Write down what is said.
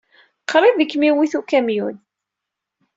Qrib ay kem-iwit ukamyun.